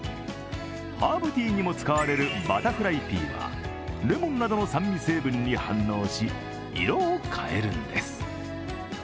ハーブティーにも使われるバタフライピーはレモンなどの酸味成分に反応し色を変えるんです。